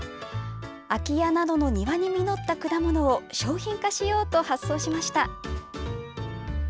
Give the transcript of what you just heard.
空き家などの庭に実った果物を商品化しようと発想しました。